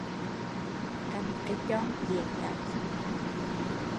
Cành cây chon dễ gãy